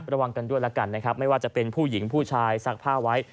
ระวังกันด้วยแล้วกันนะครับไม่ว่าจะเป็นผู้หญิงผู้ชายซักผ้าไว้